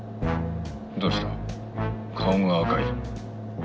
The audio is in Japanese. どうした顔が赤い。